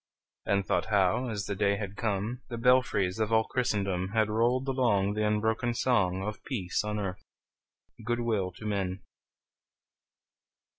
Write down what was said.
And thought how, as the day had come, The belfries of all Christendom Had rolled along The unbroken song Of peace on earth, good will to men!